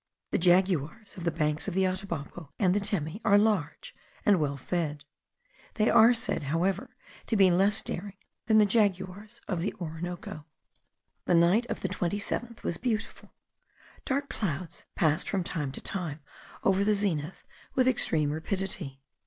The jaguars of the banks of the Atabapo and the Temi are large and well fed; they are said, however, to be less daring than the jaguars of the Orinoco. The night of the 27th was beautiful; dark clouds passed from time to time over the zenith with extreme rapidity.